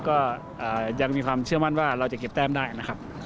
ก็ยังมีความเชื่อมั่นว่าเราจะเก็บแต้มได้นะครับ